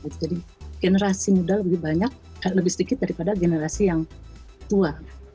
jadi generasi muda lebih banyak lebih sedikit daripada generasi yang tua